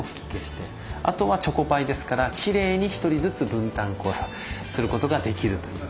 あとはチョコパイですからきれいに１人ずつすることができるという。